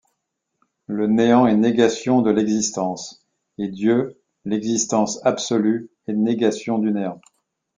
Le néant est négation de l'existence et Dieu, l'existence absolue est négation du néant.